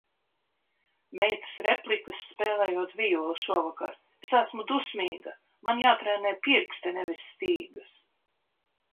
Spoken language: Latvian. Meitas replikas, spēlējot vijoli šovakar - es esmu dusmīga!... man jātrenē pirksti, nevis stīgas!...